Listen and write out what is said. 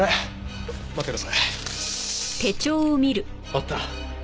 あった！